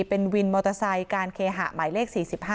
เป็นวินมอเตอร์ไซค์การเคหะหมายเลข๔๕